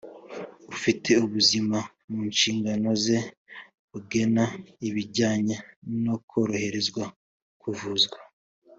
Ufite ubuzima mu nshingano ze agena ibijyanye no koroherezwa kuvuzwa